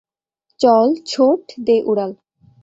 চল, ছোট, দে উড়াল!